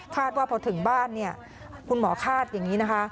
คาดว่าพอถึงบ้านคุณหมอคาดอย่างนี้นะคะ